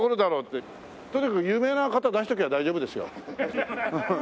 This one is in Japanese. とにかく有名な方出しとけば大丈夫ですよ。